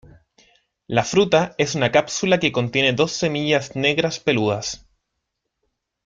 La fruta es una cápsula que contiene dos semillas negras peludas.